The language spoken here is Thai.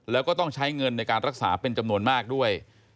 แล้วก็ต้องใช้เงินในการรักษาเป็นจำนวนมากด้วย